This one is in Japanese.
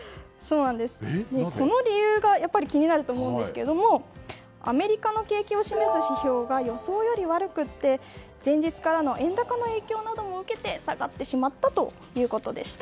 この理由がやっぱり気になると思うんですがアメリカの景気を示す指標が予想より悪くて前日からの円高の影響なども受けて下がってしまったということでした。